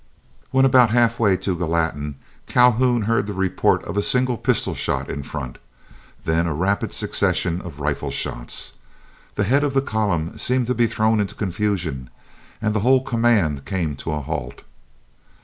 When about half way to Gallatin, Calhoun heard the report of a single pistol shot in front, then a rapid succession of rifle shots. The head of the column seemed to be thrown into confusion, and the whole command came to a halt.